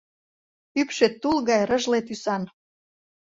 Ӱпшӧ тул гаяк рыжле тӱсан.